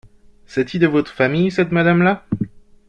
C’est-y de votre famile, cette madame-là ?